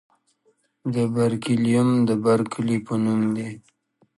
د برکیلیم د برکلي په نوم دی.